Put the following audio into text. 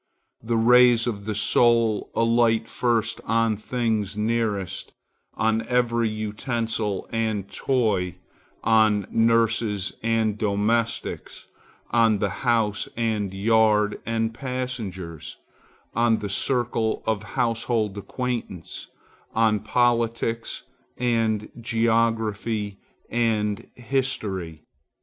The rays of the soul alight first on things nearest, on every utensil and toy, on nurses and domestics, on the house and yard and passengers, on the circle of household acquaintance, on politics and geography and history.